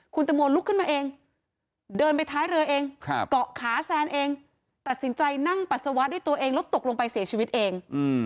คุณตังโมลุกขึ้นมาเองเดินไปท้ายเรือเองเกาะขาแซนเองตัดสินใจนั่งปัสสาวะด้วยตัวเองแล้วตกลงไปเสียชีวิตเอง